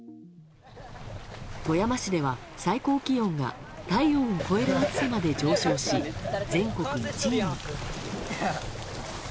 富山市では、最高気温が体温を超える暑さまで上昇し全国１位に。